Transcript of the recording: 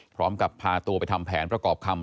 พร้อมกับพาตัวไปทำแผนประกอบคำ